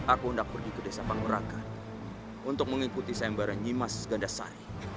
aku mengundangmu ke desa pangorakan untuk mengikuti sayang bayaran nyimas ganda sari